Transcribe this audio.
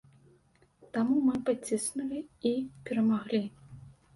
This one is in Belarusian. Таму мы падціснулі і перамаглі.